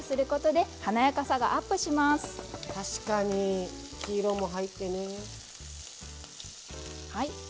確かに黄色も入ってね。